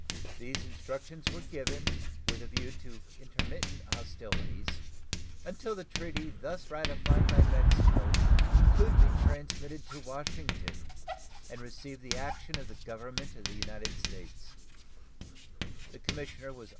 These instructions were given with a view to intermit hostilities until the treaty thus ratified by Mexico could be transmitted to Washington and receive the action of the Government of the United States.